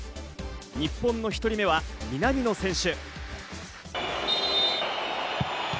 日本の１人目は南野選手。